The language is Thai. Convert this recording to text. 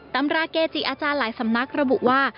ตำราเกจิอาจารย์หลายสำนักระบุว่า